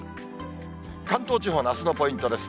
関東地方のあすのポイントです。